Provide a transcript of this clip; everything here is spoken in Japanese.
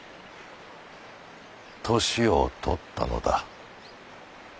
年を取ったのだ。